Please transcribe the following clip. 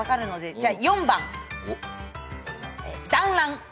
じゃあ４番。